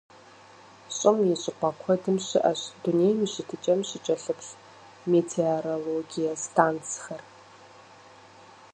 ЩӀым и щӀыпӀэ куэдым щыӀэщ дунейм и щытыкӀэм щыкӀэлъыплъ метеорологие станцхэр.